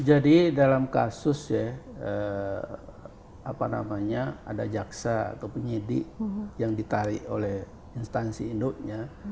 jadi dalam kasus ya apa namanya ada jaksa atau penyidik yang ditarik oleh instansi induknya